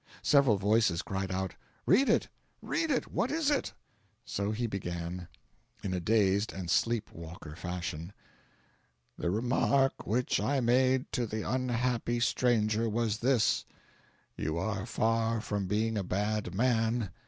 Several voices cried out: "Read it! read it! What is it?" So he began, in a dazed and sleep walker fashion: "'The remark which I made to the unhappy stranger was this: "You are far from being a bad man.